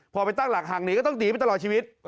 พอไปตั้งหลักห่างหนีก็ต้องหนีไปตลอดชีวิต